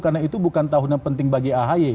karena itu bukan tahun yang penting bagi ahi